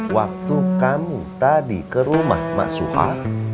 waktu kamu tadi ke rumah maksuhar